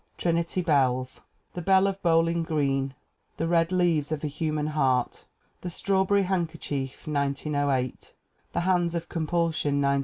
Trinity Bells. The Belle of Bowling Green. The Red Leaves of a Human Heart. The Strawberry Handkerchief, 1908. The Hands of Compulsion, 1909.